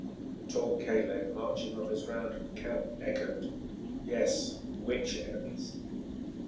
The tall Caleb, marching on his round of the camp, echoed: "Yes, which enemies?"